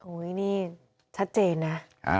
โอ้ยนี่ชัดเจนนะ